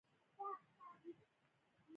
کرنه د محلي خوړو د تولید لپاره حیاتي ده.